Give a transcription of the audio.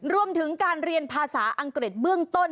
รวมถึงการเรียนภาษาอังกฤษเบื้องต้น